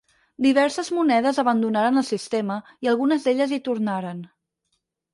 Diverses monedes abandonaren el sistema i algunes d'elles hi tornaren.